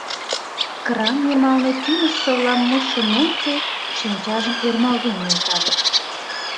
Кран йымалне кӱмыж-совлам мушшо Ненси шинчажым ӧрмалген нӧлтале.